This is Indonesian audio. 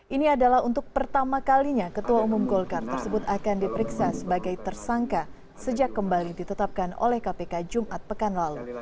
ini adalah untuk pertama kalinya ketua umum golkar tersebut akan diperiksa sebagai tersangka sejak kembali ditetapkan oleh kpk jumat pekan lalu